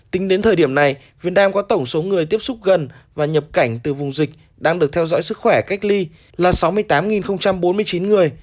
tính đến thời điểm này việt nam có tổng số người tiếp xúc gần và nhập cảnh từ vùng dịch đang được theo dõi sức khỏe cách ly là sáu mươi tám bốn mươi chín người